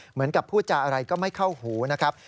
เหมือนกับพูดจาอะไรก็ไม่เข้าหูนะครับ